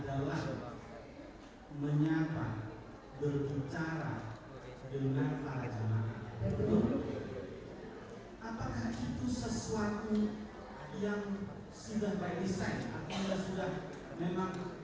detail program perjalanan itu sudahkah sesuatu yang dicatakan dengan jamanan serempak